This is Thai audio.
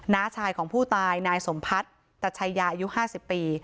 น้าชายของผู้ตายนายสมพัฒน์ตัชัยาอายุห้าสิบปี